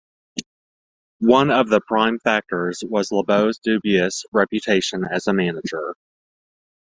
One of the prime factors was Lebows dubious reputation as a manager.